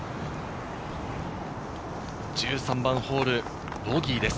１３番ホール、ボギーです。